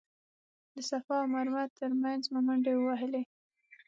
د صفا او مروه تر مینځ مو منډې ووهلې.